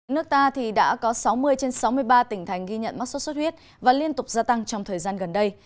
nước ta thì đã có sáu mươi trên sáu mươi ba tỉnh thành ghi nhận mắc sốt xuất huyết và liên tục gia tăng trong thời gian gần đây